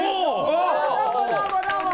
どうもどうもどうも！